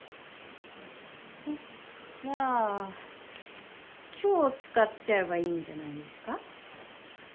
えっじゃあ今日使っちゃえばいいんじゃないですか？